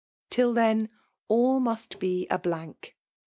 Till then> all must be a blank.